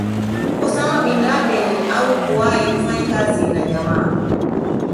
Osama Bin Laden au kuwahi kufanya kazi na jamaa